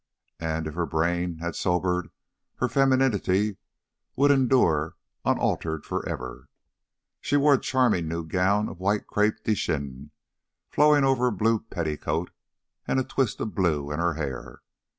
And if her brain had sobered, her femininity would endure unaltered for ever. She wore a charming new gown of white crepe de chine flowing over a blue petticoat, and a twist of blue in her hair.